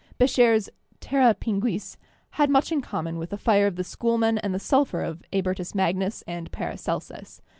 Becher's 'terra pinguis' had much in common with the fire of the schoolmen and the sulphur of Abertus Magnus and Paracelsus.